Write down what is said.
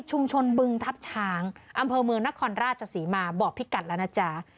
บึงทัพช้างอำเภอเมืองนครราชศรีมาบอกพี่กัดแล้วนะจ๊ะ